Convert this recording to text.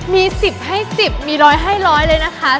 มี๑๐ให้๑๐มี๑๐๐ให้ร้อยเลยนะคะ